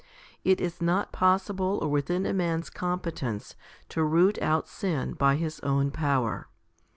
It is not possible or within a man's competence to root out sin by his own power.